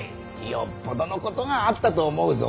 よっぽどのことがあったと思うぞ。